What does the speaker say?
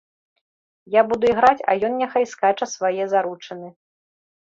Я буду іграць, а ён няхай скача свае заручыны.